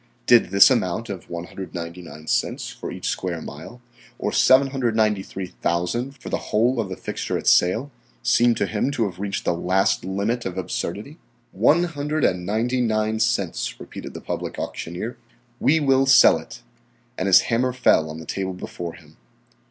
Did this amount of 199 cents for each square mile or $793,000 for the whole of the fixture at sale seem to him to have reached the last limit of absurdity? "One hundred and ninety nine cents," repeated the public auctioneer. "We will sell it," and his hammer fell on the table before him.